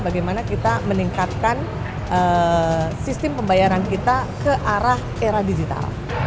bagaimana kita meningkatkan sistem pembayaran kita ke arah era digital